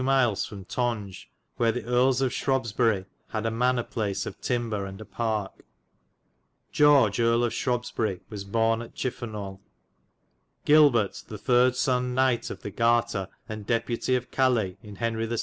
miles from Tonge, where the erles of Shrobbesbyre had a manar place of tymbar and a parke. George Erie of Shrobbesbyri was borne at Chifenolle. Gilbert the 3. sonn Knyght of the Gartar and Depute of Calays in Henry the 7.